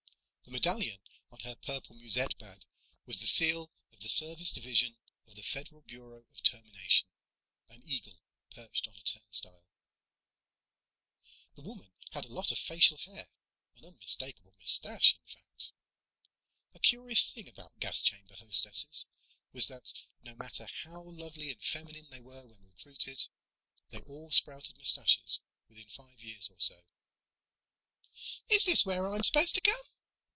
The medallion on her purple musette bag was the seal of the Service Division of the Federal Bureau of Termination, an eagle perched on a turnstile. The woman had a lot of facial hair an unmistakable mustache, in fact. A curious thing about gas chamber hostesses was that, no matter how lovely and feminine they were when recruited, they all sprouted mustaches within five years or so. "Is this where I'm supposed to come?"